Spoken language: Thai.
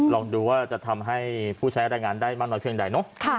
ลองดูว่าจะทำให้ผู้ใช้รายงานได้มากน้อยเพียงใดเนอะ